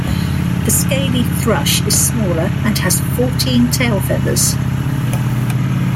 The scaly thrush is smaller and has fourteen tail feathers.